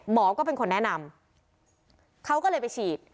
ก็เป็นคนแนะนำเขาก็เลยไปฉีด